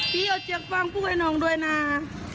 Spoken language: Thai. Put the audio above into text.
พี่เอาเจอกฟังพูดให้น้องด้วยน่ะ